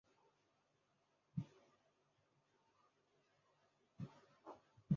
透过网站公布优良厂商名单